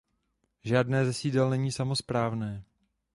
Žádné ze sídel není samosprávné.